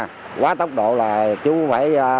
cho đội ngũ lái xe